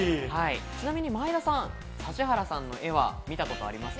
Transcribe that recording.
前田さん、指原さんの絵は見たことありますか？